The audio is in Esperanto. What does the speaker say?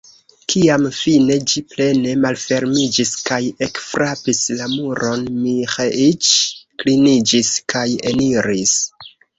Kiam fine ĝi plene malfermiĝis kaj ekfrapis la muron, Miĥeiĉ kliniĝis kaj eniris.